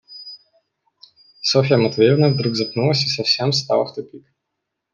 Софья Матвеевна вдруг запнулась и совсем стала в тупик.